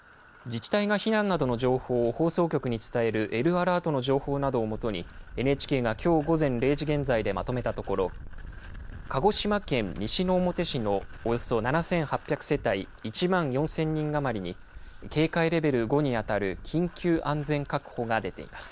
自治体が避難などの情報を放送局に伝えるＬアラートなどの情報をもとに、ＮＨＫがきょう午前０時現在でまとめたところ、鹿児島県西之表市のおよそ７８００世帯１万４０００人余りに警戒レベル５に当たる緊急安全確保が出ています。